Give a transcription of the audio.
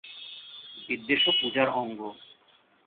বিদ্বেষও পূজার অঙ্গ।